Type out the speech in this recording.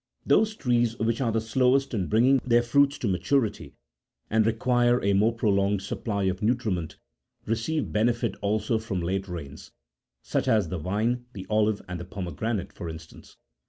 Those trees which are the slowest in bringing their fruits to maturity, and require a more prolonged supply of nutriment, receive benefit also from late rains, such as the vine, the olive, and the pomegranate, for instance.